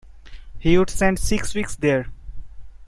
He would spend six weeks there.